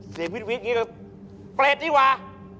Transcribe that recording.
เสียงวีดอย่างนี้ก็เปรดดีกว่า